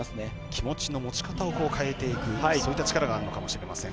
気持ちの持ち方を変えていくそういった力があるのかもしれません。